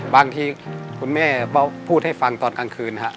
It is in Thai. บางทีคุณแม่พูดให้ฟังตอนกลางคืนครับ